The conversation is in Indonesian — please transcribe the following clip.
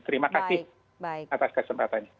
terima kasih atas kesempatan